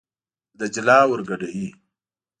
دجله ور ګډوي.